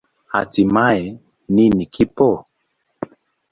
Hatimaye, nini kipo?